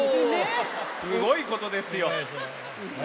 すごいことですよ。